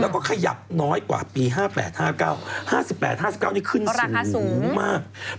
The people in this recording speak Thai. เขาก็บอกนะว่าราคาที่ดินคือที่ภูเขตแพงมาก